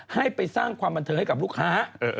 ให้ไปสร้างความบันเทิงให้กับลูกค้า